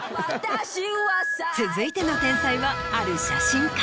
続いての天才はある写真家。